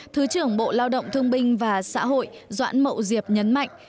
thứ trưởng bộ lao động thương binh và xã hội doãn mậu diệp nhấn mạnh